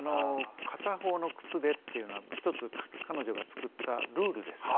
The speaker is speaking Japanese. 片方の靴でっていうのは一つ彼女が作ったルールですよね。